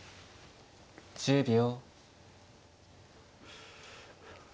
１０秒。